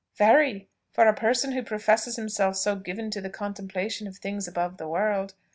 "Very for a person who professes himself so given to the contemplation of things above the world.